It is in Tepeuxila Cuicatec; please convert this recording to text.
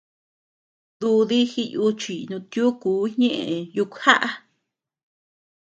Dúdi jiyuchiy nutiukuu ñeʼe yukjaʼa.